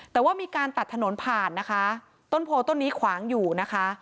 แต่ว่ามีการตัดถนนผ่านนะคะต้นโพต้นนี้ขวางอยู่นะคะ